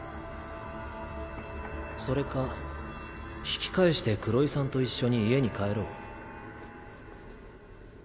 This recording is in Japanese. それか引き返して黒井さんと一緒に家に帰ろう。